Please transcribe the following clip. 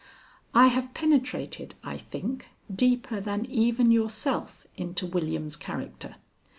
"I have penetrated, I think, deeper than even yourself, into William's character.